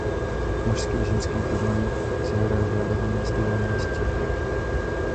Mužský i ženský turnaj se hraje zároveň na stejném místě.